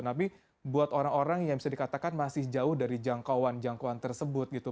tapi buat orang orang yang bisa dikatakan masih jauh dari jangkauan jangkauan tersebut gitu